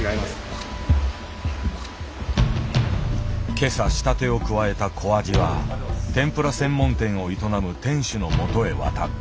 今朝仕立てを加えた小アジは天ぷら専門店を営む店主のもとへ渡った。